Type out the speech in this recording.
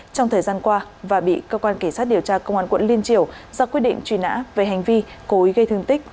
trong thời gian qua và bị cơ quan kỳ sát điều tra công an quận liên triều do quyết định truy nã về hành vi cối gây thương tích